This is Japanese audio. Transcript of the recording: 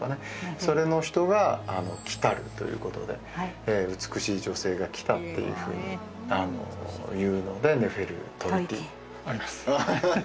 「それの人が来たる」ということで美しい女性が来たっていうふうにいうのでネフェルトイティあります